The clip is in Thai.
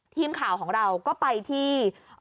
ทีมข่าวของเราก็ไปที่